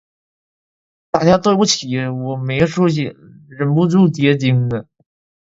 大家对不起，我没出息，忍不住结晶了